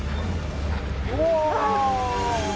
うわ！